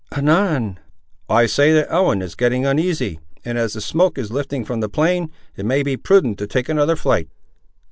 "Anan!" "I say that Ellen is getting uneasy, and as the smoke is lifting from the plain, it may be prudent to take another flight."